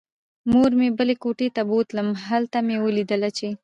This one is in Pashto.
مور مې بلې کوټې ته بوتلم. هلته مې ولیدله چې